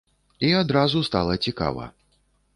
І адразу стала цікава.